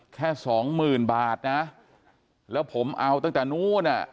แค่สองหมื่นบาทนะแล้วผมเอาตั้งแต่นู้นอ่ะ